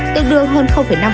tương đương hơn năm